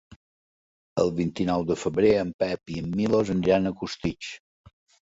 El vint-i-nou de febrer en Pep i en Milos aniran a Costitx.